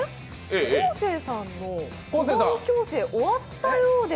昴生さんの小顔矯正終わったようです。